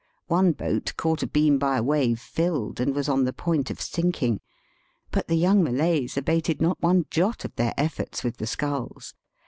One boat, caught abeam by a wave, filled, and was on the point of sinking. But the young Malays abated not one jot of their efforts with the sculls.